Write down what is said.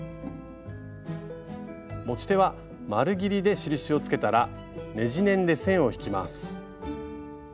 持ち手は丸ぎりで印をつけたらねじネンで線を引きます。